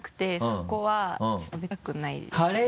そこはちょっと食べたくないですね。